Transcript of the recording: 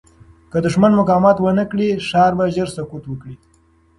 که دښمن مقاومت ونه کړي، ښار به ژر سقوط وکړي.